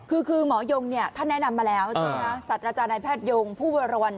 คือคือหมอโยงเนี่ยท่านแนะนำมาแล้วสัตว์อาจารย์นายแพทยงผู้บรรวรณ